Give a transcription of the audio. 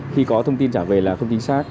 khi có thông tin trả về là không chính xác